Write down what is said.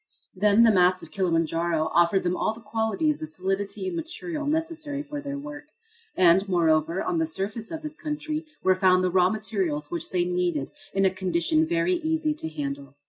Then, the mass of Kilimanjaro offered them all the qualities of solidity and material necessary for their work. And, moreover, on the surface of this country were found the raw materials which they needed in a condition very easy to handle.